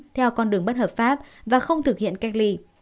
theo con đường bất hợp pháp và không thực hiện cách ly